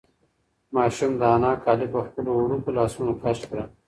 ماشوم د انا کالي په خپلو وړوکو لاسونو کش کړل.